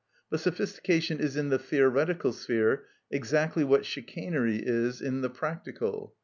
But sophistication is in the theoretical sphere exactly what chicanery is in the practical.